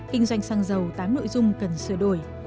kinh doanh xăng dầu tám nội dung cần sửa đổi